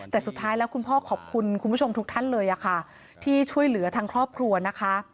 แต่สุดท้ายแล้วคุณพ่อขอบคุณคุณผู้ชมทุกท่านเลยค่ะที่ช่วยเหลือทางครอบครัวนะคะ